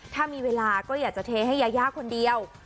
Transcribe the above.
ถ้ามีเวลาก็อยากจะเทให้ยายาคนเดียว